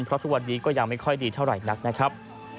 คนตยังไม่ค่อยดีเท่ากัน